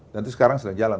nanti sekarang sudah jalan